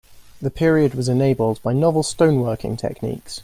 The period was enabled by novel stone working techniques.